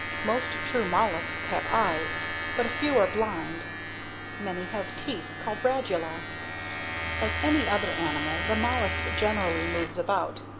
Most true mollusks have eyes, but a few are blind. Many have teeth, called RADULAE. Like any other animal, the mollusk generally moves about.